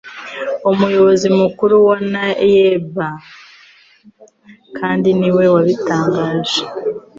Umuyobozi Mukuru wa NAEB kandiniwe wabitangaje